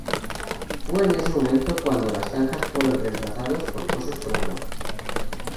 Fue en ese momento cuando las zanjas fueron reemplazados por fosos con agua.